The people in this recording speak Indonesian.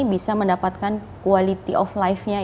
bisa mendapatkan quality of life nya